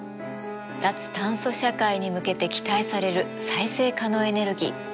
脱炭素社会に向けて期待される再生可能エネルギー。